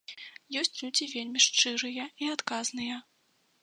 Ёсць людзі вельмі шчырыя і адказныя.